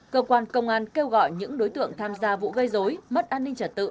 cơ quan công an kêu gọi những đối tượng tham gia vụ gây dối mất an ninh trật tự